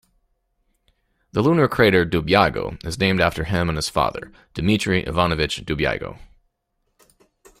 The lunar crater Dubyago is named after him and his father, Dmitry Ivanovich Dubyago.